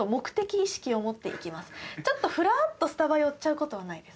ちょっとフラッとスタバ寄っちゃう事はないです。